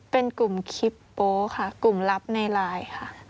เป็นกลุ่มคลิปโป๊ค่ะกลุ่มลับในไลน์ค่ะ